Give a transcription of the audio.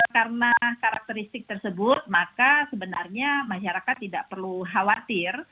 karena karakteristik tersebut maka sebenarnya masyarakat tidak perlu khawatir